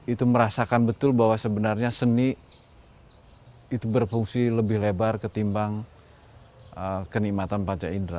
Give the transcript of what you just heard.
itu merasakan betul bahwa sebenarnya seni itu berfungsi lebih lebar ketimbang kenikmatan panca indera